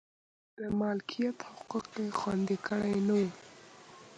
د مالکیت حقوق خوندي کړي نه و.